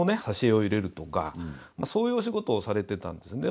挿絵を入れるとかそういうお仕事をされてたんですね。